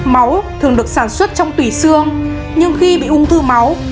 máu thường được sản xuất trong tùy xương nhưng khi bị ung thư máu